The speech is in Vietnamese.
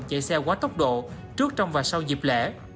chạy xe quá tốc độ trước trong và sau dịp lễ